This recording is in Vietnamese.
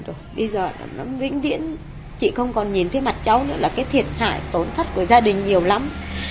bây giờ nó vĩnh viễn chị không còn nhìn thấy mặt cháu nữa là cái thiệt hại tốn thất của gia đình nhiều lắm